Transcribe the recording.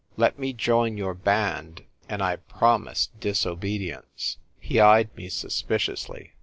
Let me join your band — and I promise dis obedience." He eyed me suspiciously.